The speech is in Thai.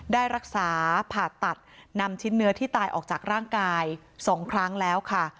ได้รักษาผ่าตัดนำชิ้นเนื้อที่ตายออกจากร่างกาย๒ครั้งแล้วค่ะ